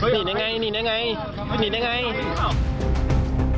หนีเนี่ยไงหนีเนี่ยไงหนีเนี่ยไง